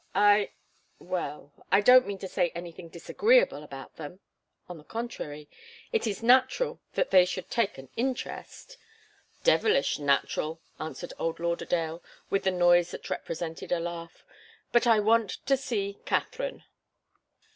I well, I don't mean to say anything disagreeable about them. On the contrary it is natural that they should take an interest " "Devilish natural," answered old Lauderdale, with the noise that represented a laugh. "But I want to see Katharine."